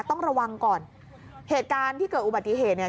ต้องระวังก่อนเหตุการณ์ที่เกิดอุบัติเหตุเนี่ย